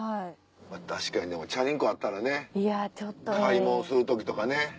確かにでもチャリンコあったらね買い物する時とかね。